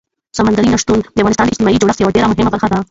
سمندر نه شتون د افغانستان د اجتماعي جوړښت یوه ډېره مهمه برخه ده.